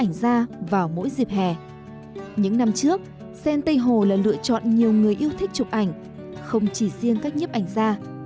những năm trước sen tây hồ là lựa chọn nhiều người yêu thích chụp ảnh không chỉ riêng các nhếp ảnh gia